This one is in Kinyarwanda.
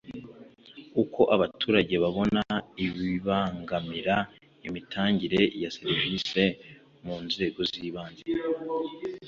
uko abaturage babona ibibangamira imitangire ya serivisi mu nzego z ibanze